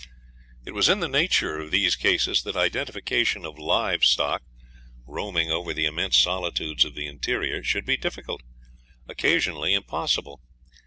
It was in the nature of these cases that identification of live stock, roaming over the immense solitudes of the interior, should be difficult, occasionally impossible.